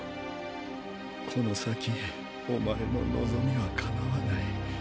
この先お前の望みは叶わない。